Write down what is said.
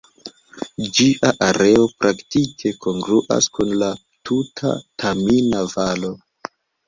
Ĝia areo praktike kongruas kun la tuta Tamina-Valo.